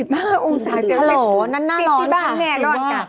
ฮัลโหลนั้นหน้าร้อนเองปริบาลปริบาลติดที่บ้านงานแหล่งรอยจักร